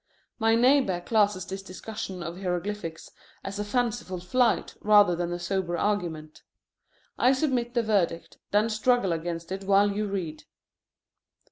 My neighbor classes this discussion of hieroglyphics as a fanciful flight rather than a sober argument. I submit the verdict, then struggle against it while you read.